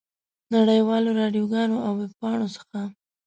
نړۍ والو راډیوګانو او ویبپاڼو څخه.